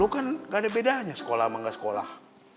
kan gak ada bedanya sekolah sama gak sekolah